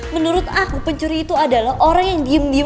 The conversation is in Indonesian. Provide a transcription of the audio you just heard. menurut aku pencuri itu adalah orang yang diem diem